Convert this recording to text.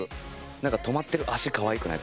何かとまってる脚かわいくない？